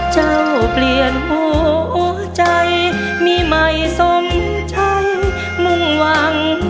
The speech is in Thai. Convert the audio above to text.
เจ้าเปลี่ยนหัวใจมีไม่สมใจมุ่งวัง